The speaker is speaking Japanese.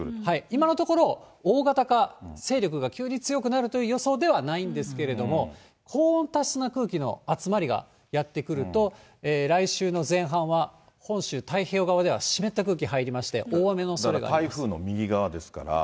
今のところ、大型化、勢力が急に強くなるという予想ではないんですけれども、高温多湿な空気の集まりがやって来ると、来週の前半は本州太平洋側では湿った空気入りまして、大雨のおそ台風の右側ですから。